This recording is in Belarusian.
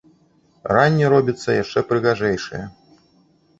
Ранне робіцца яшчэ прыгажэйшае.